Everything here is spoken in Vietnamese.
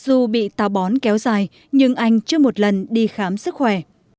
dù bị tà bón kéo dài nhưng anh chưa một lần đi khám sức khỏe